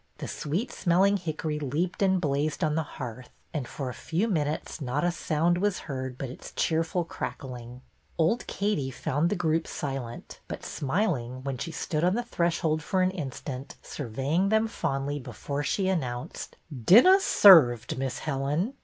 The sweet smelling hickory leaped and blazed on the hearth, and for a few minutes not a sound was heard but its cheerful crackling. Old Katie found the group silent, but smiling, when she BETTY'S CLIENT 303 stood on the threshold for an instant, surveying them fondly before she announced, Dinnah sarved. Miss Helen."